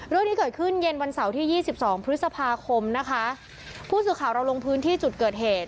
เรื่องนี้เกิดขึ้นเย็นวันเสาร์ที่ยี่สิบสองพฤษภาคมนะคะผู้สื่อข่าวเราลงพื้นที่จุดเกิดเหตุ